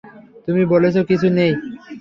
তুমি বলেছ কিছু নেই।